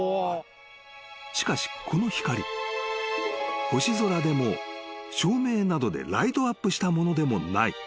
［しかしこの光］［星空でも照明などでライトアップしたものでもない］